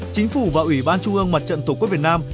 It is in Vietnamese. chính phủ và ủy ban trung ương mặt trận tổ quốc việt nam